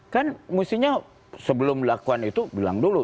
kan mestinya sebelum melakukan itu bilang dulu